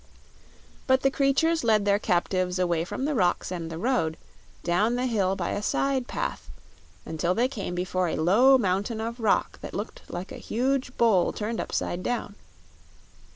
But the creatures led their captives away from the rocks and the road, down the hill by a side path until they came before a low mountain of rock that looked like a huge bowl turned upside down.